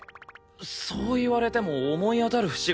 そう言われても思い当たる節がないな。